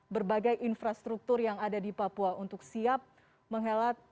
berbagai infrastruktur yang ada di papua untuk siap menghelat